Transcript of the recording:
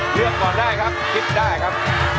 เลือกก่อนได้ครับคิดได้ครับ